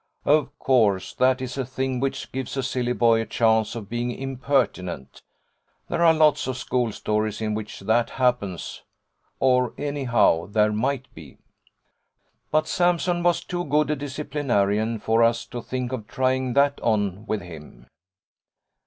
Of course that is a thing which gives a silly boy a chance of being impertinent: there are lots of school stories in which that happens or anyhow there might be. But Sampson was too good a disciplinarian for us to think of trying that on with him.